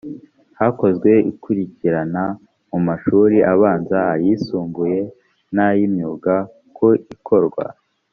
hakozwe ikurikirana mu mashuri abanza ayisumbuye n ay imyuga ku ikorwa